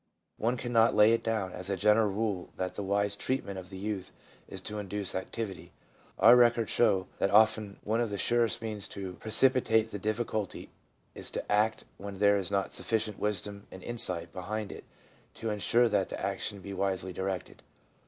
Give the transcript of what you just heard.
One cannot lay it down as a general rule that the wise treatment of the youth is to induce activity. Our records show that often one of the surest means to precipitate the difficulty is to act when there is not sufficient wisdom and insight behind it to insure that the action be wisely directed.